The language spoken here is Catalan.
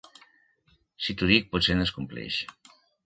Si t'ho dic potser no es compleix.